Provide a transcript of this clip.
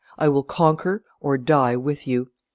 I will conquer or die with you.